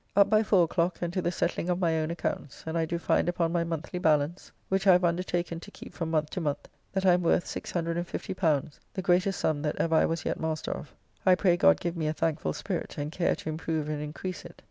Up by four o'clock, and to the settling of my own accounts, and I do find upon my monthly ballance, which I have undertaken to keep from month to month, that I am worth L650, the greatest sum that ever I was yet master of. I pray God give me a thankfull, spirit, and care to improve and encrease it.